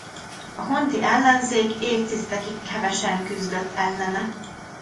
A honti ellenzék évtizedekig hevesen küzdött ellene.